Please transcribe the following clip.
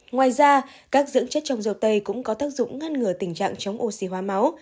ngoài ra các dưỡng chất trong dầu tây cũng có tác dụng ngăn ngừa tình trạng chống oxy hóa